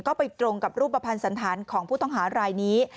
ก็ไปตรงกับรูปภัณฑ์สันธารของผู้ต้องหารายนี้